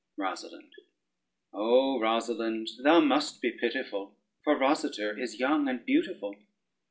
ROSALYNDE O Rosalynde, thou must be pitiful, For Rosader is young and beautiful.